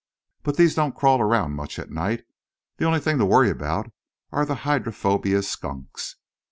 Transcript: But these don't crawl around much at night. The only thing to worry about are the hydrophobia skunks."